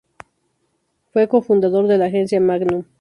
Fue cofundador de la Agencia Magnum.